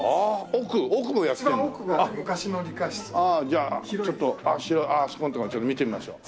じゃあちょっとあそこのとこもちょっと見てみましょう。